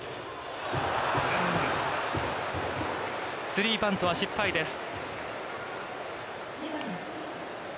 スリーバントは失敗です。